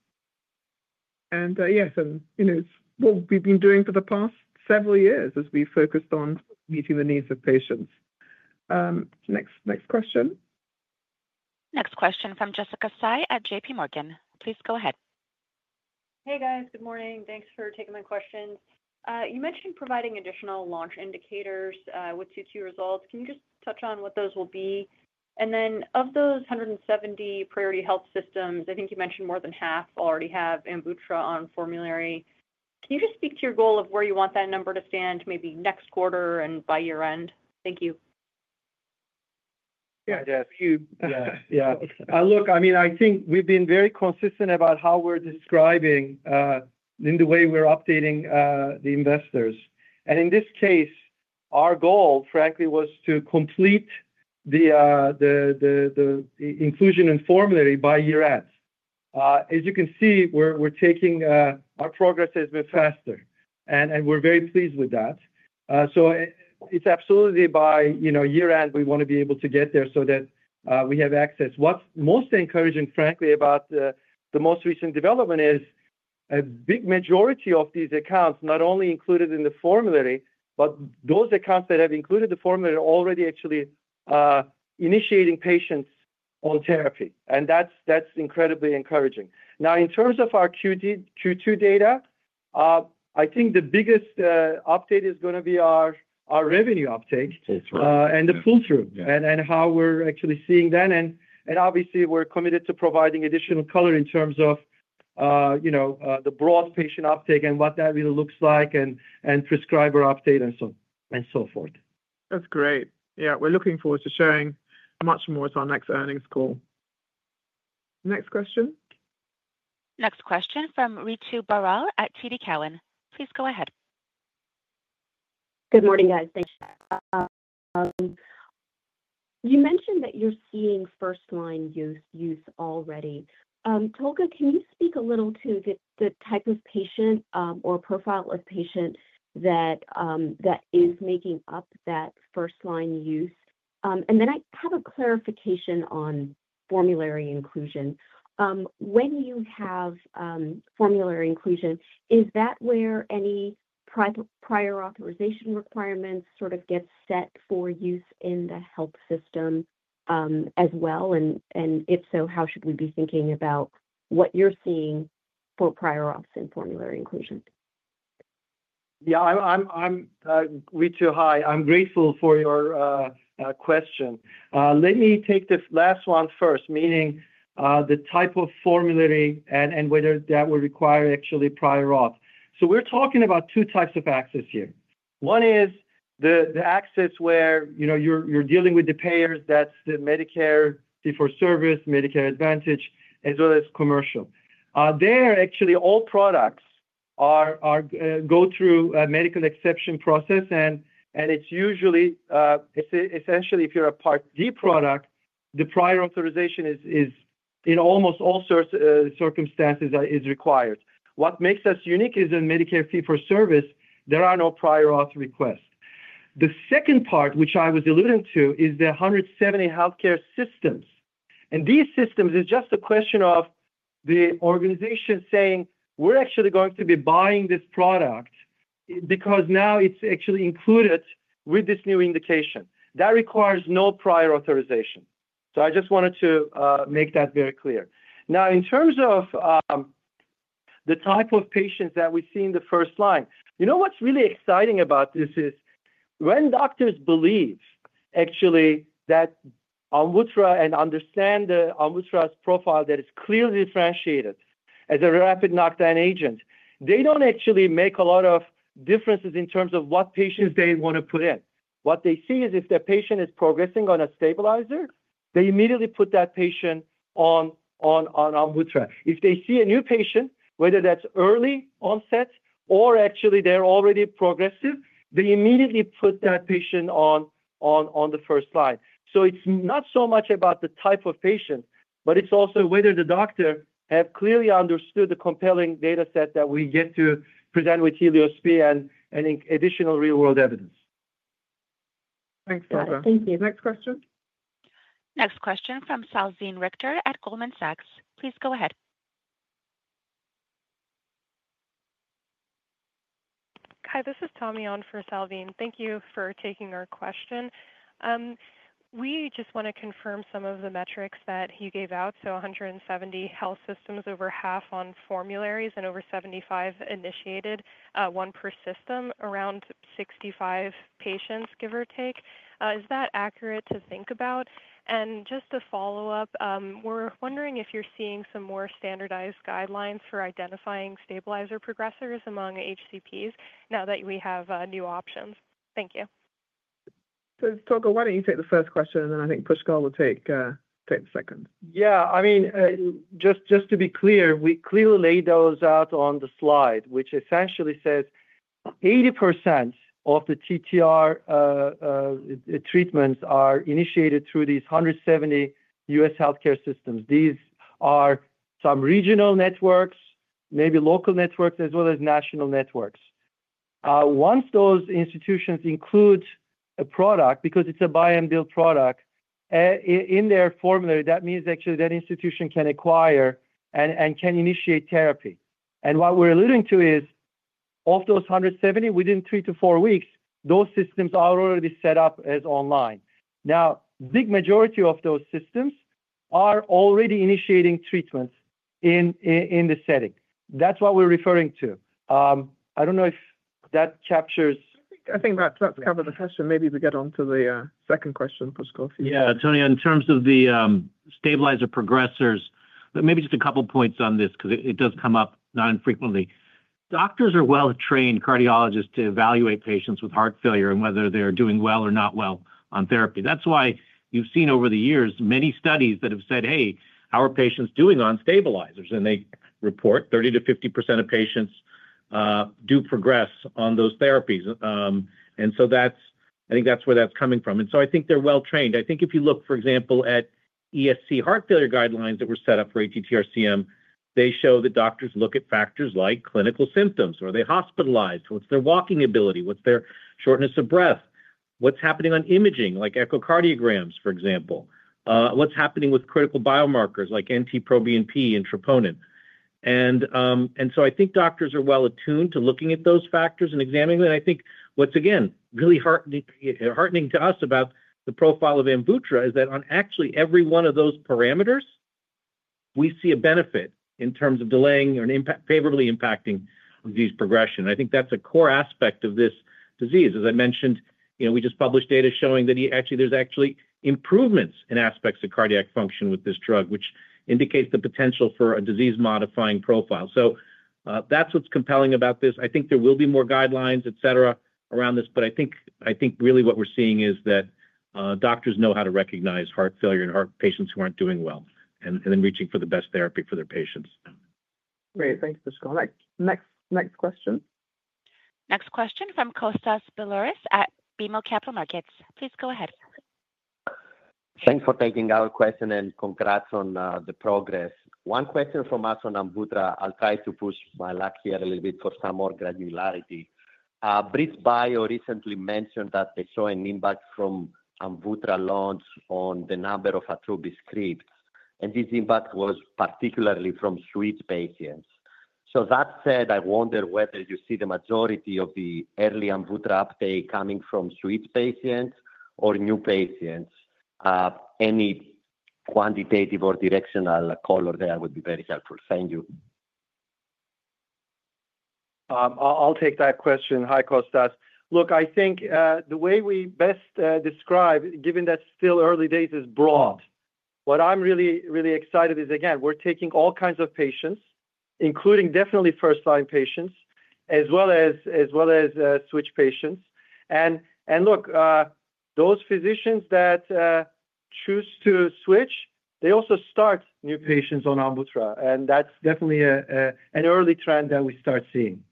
Yes, it is what we have been doing for the past several years as we focused on meeting the needs of patients. Next question. Next question from Jessica Sy at JP Morgan. Please go ahead. Hey, guys. Good morning. Thanks for taking my questions. You mentioned providing additional launch indicators with Q2 results. Can you just touch on what those will be? Of those 170 priority health systems, I think you mentioned more than half already have Amvuttra on formulary. Can you speak to your goal of where you want that number to stand maybe next quarter and by year-end? Thank you. Yeah. Yeah. Yeah. Look, I mean, I think we've been very consistent about how we're describing in the way we're updating the investors. In this case, our goal, frankly, was to complete the inclusion in formulary by year-end. As you can see, our progress has been faster. We're very pleased with that. It's absolutely by year-end we want to be able to get there so that we have access. What's most encouraging, frankly, about the most recent development is a big majority of these accounts not only included in the formulary, but those accounts that have included the formulary are already actually initiating patients on therapy. That's incredibly encouraging. In terms of our Q2 data, I think the biggest update is going to be our revenue uptake and the pool through and how we're actually seeing that. Obviously, we're committed to providing additional color in terms of the broad patient uptake and what that really looks like and prescriber update and so forth. That's great. Yeah. We're looking forward to sharing much more with our next earnings call. Next question. Next question from Ritu Baral at TD Cowen. Please go ahead. Good morning, guys. You mentioned that you're seeing first-line use already. Tolga, can you speak a little to the type of patient or profile of patient that is making up that first-line use? And then I have a clarification on formulary inclusion. When you have formulary inclusion, is that where any prior authorization requirements sort of get set for use in the health system as well? If so, how should we be thinking about what you're seeing for prior auths in formulary inclusion? Yeah. Ritu, hi. I'm grateful for your question. Let me take this last one first, meaning the type of formulary and whether that would require actually prior auth. We are talking about two types of access here. One is the access where you are dealing with the payers. That is the Medicare Fee-for-Service, Medicare Advantage, as well as commercial. There, actually, all products go through a medical exception process. It is usually essentially, if you are a Part D product, the prior authorization is in almost all circumstances required. What makes us unique is in Medicare Fee-for-Service, there are no prior auth requests. The second part, which I was alluding to, is the 170 healthcare systems. These systems are just a question of the organization saying, "We are actually going to be buying this product because now it is actually included with this new indication." That requires no prior authorization. I just wanted to make that very clear. Now, in terms of the type of patients that we see in the first line, you know what's really exciting about this is when doctors believe actually that Amvuttra and understand Amvuttra's profile that is clearly differentiated as a rapid knockdown agent, they don't actually make a lot of differences in terms of what patients they want to put in. What they see is if the patient is progressing on a stabilizer, they immediately put that patient on Amvuttra. If they see a new patient, whether that's early onset or actually they're already progressive, they immediately put that patient on the first line. It is not so much about the type of patient, but it is also whether the doctor has clearly understood the compelling data set that we get to present with Helios-B and additional real-world evidence. Thanks, Tolga. Thank you. Next question. Next question from Salveen Richter at Goldman Sachs. Please go ahead. Hi. This is Tony on for Salveen. Thank you for taking our question. We just want to confirm some of the metrics that you gave out. So 170 health systems, over half on formularies and over 75 initiated one per system, around 65 patients, give or take. Is that accurate to think about? To follow up, we're wondering if you're seeing some more standardized guidelines for identifying stabilizer progressors among HCPs now that we have new options. Thank you. Tolga, why don't you take the first question, and then I think Pushkal will take the second. Yeah. I mean, just to be clear, we clearly laid those out on the slide, which essentially says 80% of the TTR treatments are initiated through these 170 U.S. healthcare systems. These are some regional networks, maybe local networks, as well as national networks. Once those institutions include a product because it's a buy-and-build product in their formulary, that means actually that institution can acquire and can initiate therapy. What we're alluding to is, of those 170, within three to four weeks, those systems are already set up as online. Now, the big majority of those systems are already initiating treatments in the setting. That's what we're referring to. I don't know if that captures. I think that's covered the question. Maybe we get on to the second question, Pushkal. Yeah. Tony, in terms of the stabilizer progressors, maybe just a couple of points on this because it does come up non-frequently. Doctors are well-trained cardiologists to evaluate patients with heart failure and whether they're doing well or not well on therapy. That's why you've seen over the years many studies that have said, "Hey, how are patients doing on stabilizers?" and they report 30%-50% of patients do progress on those therapies. I think that's where that's coming from. I think they're well-trained. I think if you look, for example, at ESC heart failure guidelines that were set up for ATTR-CM, they show that doctors look at factors like clinical symptoms. Are they hospitalized? What's their walking ability? What's their shortness of breath? What's happening on imaging like echocardiograms, for example? What's happening with critical biomarkers like NT-proBNP and troponin? I think doctors are well attuned to looking at those factors and examining them. I think what's, again, really heartening to us about the profile of Amvuttra is that on actually every one of those parameters, we see a benefit in terms of delaying or favorably impacting disease progression. I think that's a core aspect of this disease. As I mentioned, we just published data showing that actually there's actually improvements in aspects of cardiac function with this drug, which indicates the potential for a disease-modifying profile. That's what's compelling about this. I think there will be more guidelines, etc., around this. I think really what we're seeing is that doctors know how to recognize heart failure in patients who aren't doing well and then reaching for the best therapy for their patients. Great. Thanks, Pushkal. Next question. Next question from Kostas Biliouris at BMO Capital Markets. Please go ahead. Thanks for taking our question and congrats on the progress. One question from us on Amvuttra. I'll try to push my luck here a little bit for some more granularity. BridgeBio recently mentioned that they saw an impact from Amvuttra launch on the number of ATTR scripts. This impact was particularly from switch patients. That said, I wonder whether you see the majority of the early Amvuttra uptake coming from switch patients or new patients. Any quantitative or directional color there would be very helpful. Thank you. I'll take that question. Hi, Kostas. Look, I think the way we best describe, given that it's still early days, is broad. What I'm really, really excited is, again, we're taking all kinds of patients, including definitely first-line patients, as well as switch patients. Those physicians that choose to switch, they also start new patients on Amvuttra. That's definitely an early trend that we start seeing.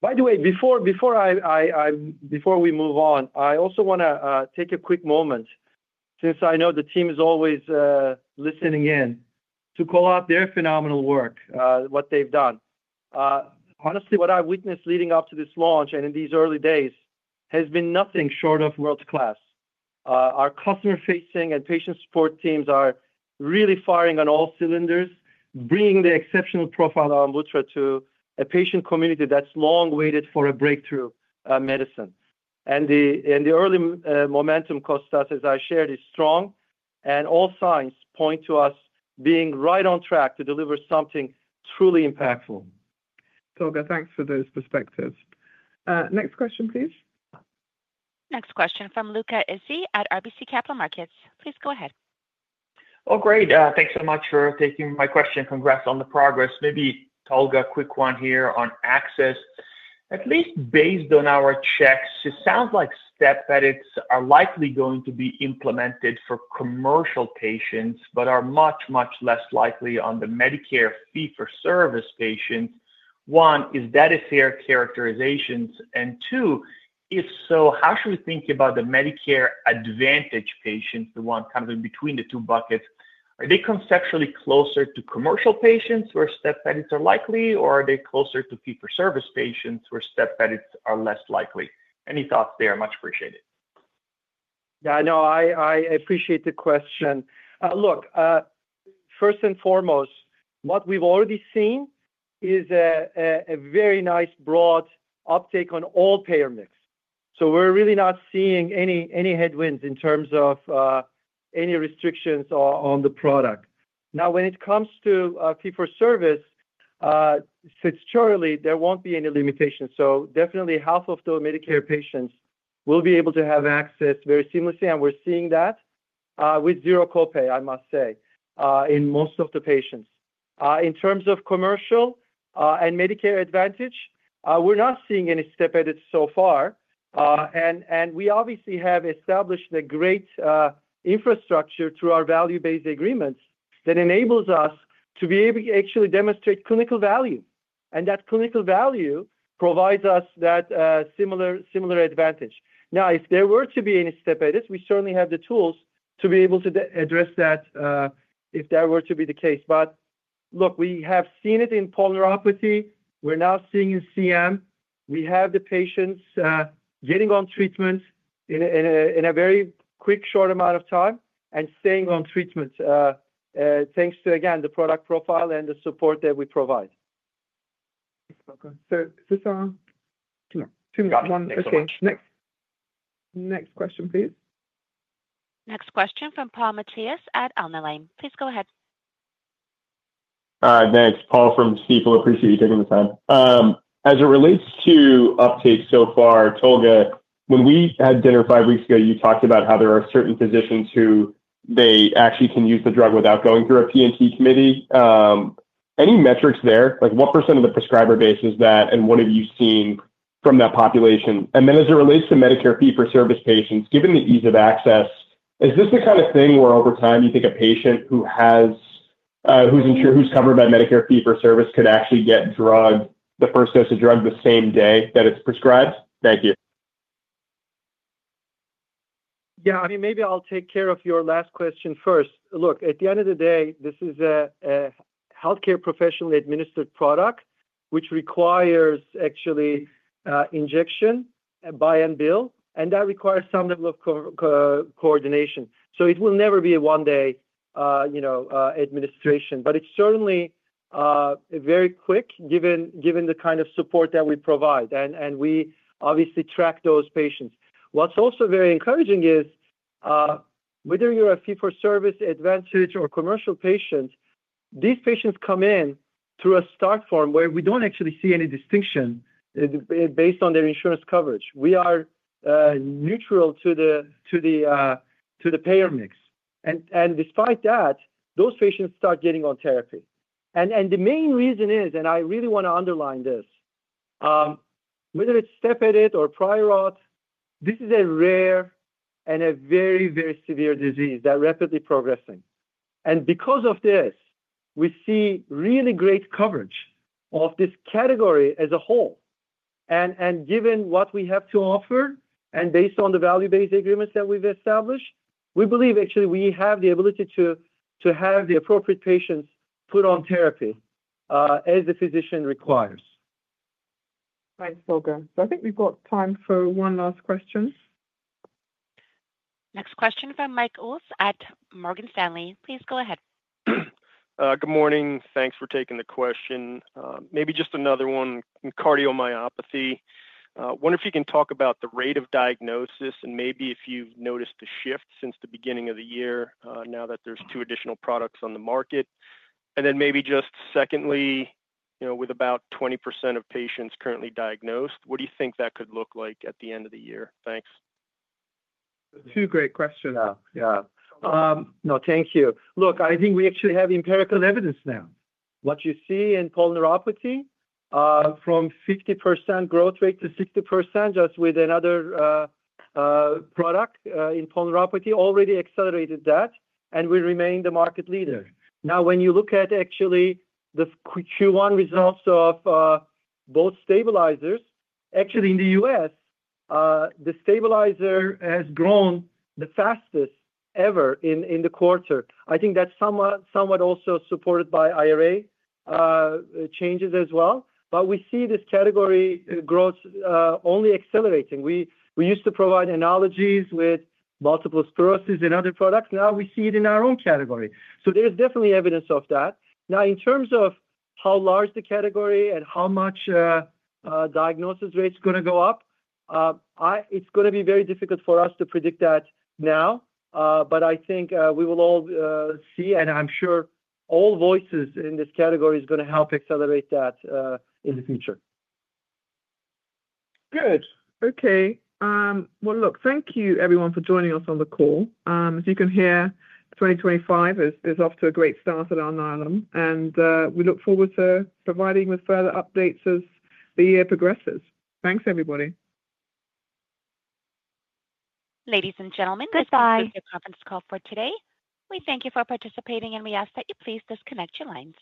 By the way, before we move on, I also want to take a quick moment since I know the team is always listening in to call out their phenomenal work, what they've done. Honestly, what I've witnessed leading up to this launch and in these early days has been nothing short of world-class. Our customer-facing and patient support teams are really firing on all cylinders, bringing the exceptional profile of Amvuttra to a patient community that's long waited for a breakthrough medicine. The early momentum, Kostas, as I shared, is strong. All signs point to us being right on track to deliver something truly impactful. Tolga, thanks for those perspectives. Next question, please. Next question from Luca Issi at RBC Capital Markets. Please go ahead. Oh, great. Thanks so much for taking my question. Congrats on the progress. Maybe, Tolga, a quick one here on access. At least based on our checks, it sounds like step edits are likely going to be implemented for commercial patients, but are much, much less likely on the Medicare Fee-for-Service patients. One, is that a fair characterization? Two, if so, how should we think about the Medicare Advantage patients, the one kind of in between the two buckets? Are they conceptually closer to commercial patients where step edits are likely, or are they closer to Fee-for-Service patients where step edits are less likely? Any thoughts there? Much appreciated. Yeah. No, I appreciate the question. Look, first and foremost, what we've already seen is a very nice broad uptake on all payer mix. We are really not seeing any headwinds in terms of any restrictions on the product. Now, when it comes to Fee-for-Service, since surely there will not be any limitations, so definitely half of those Medicare patients will be able to have access very seamlessly. We are seeing that with zero copay, I must say, in most of the patients. In terms of commercial and Medicare Advantage, we are not seeing any step edits so far. We obviously have established a great infrastructure through our value-based agreements that enables us to be able to actually demonstrate clinical value. That clinical value provides us that similar advantage. If there were to be any step edits, we certainly have the tools to be able to address that if that were to be the case. Look, we have seen it in polyneuropathy. We are now seeing in CM. We have the patients getting on treatment in a very quick, short amount of time and staying on treatment thanks to, again, the product profile and the support that we provide. This one. Two more. Two more. Okay. Next question, please. Next question from Paul Matteis at Alnylam. Please go ahead. Thanks. Paul from Stifel. Appreciate you taking the time. As it relates to uptake so far, Tolga, when we had dinner five weeks ago, you talked about how there are certain physicians who they actually can use the drug without going through a P&T committee. Any metrics there? What percentage of the prescriber base is that, and what have you seen from that population? As it relates to Medicare Fee-for-Service patients, given the ease of access, is this the kind of thing where over time you think a patient who's covered by Medicare Fee-for-Service could actually get the first dose of drug the same day that it's prescribed? Thank you. Yeah. I mean, maybe I'll take care of your last question first. Look, at the end of the day, this is a healthcare professionally administered product, which requires actually injection by and bill. That requires some level of coordination. It will never be a one-day administration. It is certainly very quick given the kind of support that we provide. We obviously track those patients. What's also very encouraging is whether you're a Fee-for-Service Advantage or commercial patient, these patients come in through a start form where we don't actually see any distinction based on their insurance coverage. We are neutral to the payer mix. Despite that, those patients start getting on therapy. The main reason is, and I really want to underline this, whether it's step edit or prior auth, this is a rare and a very, very severe disease that's rapidly progressing. Because of this, we see really great coverage of this category as a whole. Given what we have to offer, and based on the value-based agreements that we've established, we believe actually we have the ability to have the appropriate patients put on therapy as the physician requires. Thanks, Tolga. I think we've got time for one last question. Next question from Mike Ulz at Morgan Stanley. Please go ahead. Good morning. Thanks for taking the question. Maybe just another one. Cardiomyopathy. I wonder if you can talk about the rate of diagnosis and maybe if you've noticed a shift since the beginning of the year now that there's two additional products on the market. Then maybe just secondly, with about 20% of patients currently diagnosed, what do you think that could look like at the end of the year? Thanks. Two great questions. Yeah. No, thank you. Look, I think we actually have empirical evidence now. What you see in cardiomyopathy from 50% growth rate to 60% just with another product in cardiomyopathy already accelerated that, and we remain the market leader. Now, when you look at actually the Q1 results of both stabilizers, actually in the U.S., the stabilizer has grown the fastest ever in the quarter. I think that's somewhat also supported by IRA changes as well. We see this category growth only accelerating. We used to provide analogies with multiple sclerosis and other products. Now we see it in our own category. So there's definitely evidence of that. Now, in terms of how large the category and how much diagnosis rate's going to go up, it's going to be very difficult for us to predict that now. But I think we will all see, and I'm sure all voices in this category is going to help accelerate that in the future. Good. Okay. Look, thank you, everyone, for joining us on the call. As you can hear, 2025 is off to a great start at Alnylam. We look forward to providing with further updates as the year progresses. Thanks, everybody. Ladies and gentlemen, this has been your conference call for today. We thank you for participating, and we ask that you please disconnect your lines.